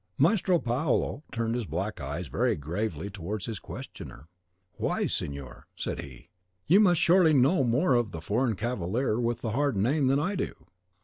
Maestro Paolo turned his black eyes very gravely towards his questioner. "Why, signor," said he, "you must surely know more of the foreign cavalier with the hard name than I do.